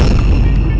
tolong dicek ya